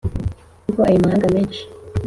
Kuko ayo mahanga menshi